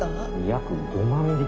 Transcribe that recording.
約５万匹。